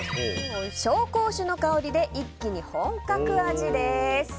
紹興酒の香りで一気に本格味です。